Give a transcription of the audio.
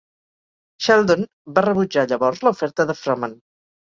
Sheldon va rebutjar llavors la oferta de Frohman.